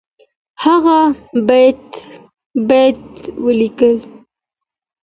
هغه بیت ولیکئ.